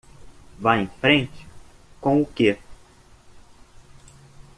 Vá em frente com o que?